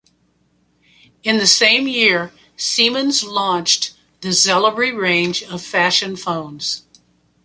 In the same year Siemens launched the Xelibri range of fashion phones.